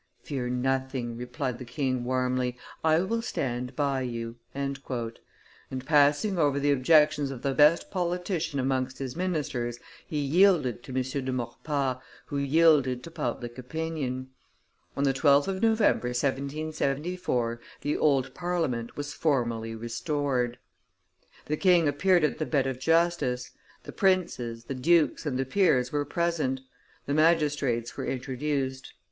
"Fear nothing," replied the king warmly, "I will stand by you;" and, passing over the objections of the best politician amongst his ministers, he yielded to M. de Maurepas, who yielded to public opinion. On the 12th of November, 1774, the old Parliament was formally restored. The king appeared at the bed of justice; the princes, the dukes, and the peers were present; the magistrates were introduced.